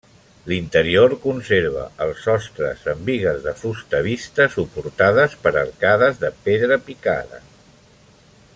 L'interior conserva els sostres amb bigues de fusta vista, suportades per arcades de pedra picada.